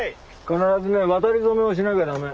必ずね渡り初めをしなきゃ駄目。